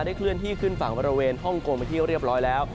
เคลื่อนที่ขึ้นฝั่งบริเวณฮ่องกงไปที่เรียบร้อยแล้ว